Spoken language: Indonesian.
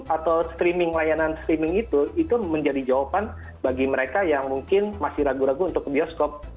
atau streaming layanan streaming itu itu menjadi jawaban bagi mereka yang mungkin masih ragu ragu untuk ke bioskop